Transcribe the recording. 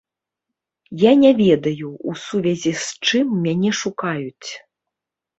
Я не ведаю, у сувязі з чым мяне шукаюць.